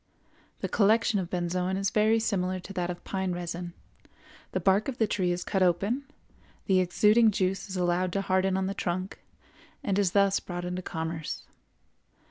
The collection of benzoin is very similar to that of pine resin; the bark of the tree is cut open, the exuding juice is allowed to harden on the trunk, and is thus brought into commerce.